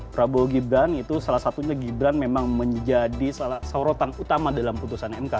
prabowo gibran itu salah satunya gibran memang menjadi sorotan utama dalam putusan mk